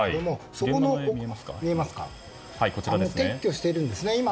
それを撤去しているんですね。